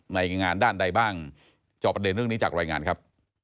ในงานด้านใดบ้างจอบประเด็นเรื่องนี้จากรายงานครับ